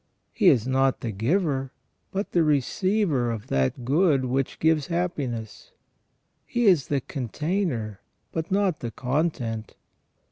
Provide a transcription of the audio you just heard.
He is not the giver but the receiver of that good which gives happiness ; he is the container, but not the content.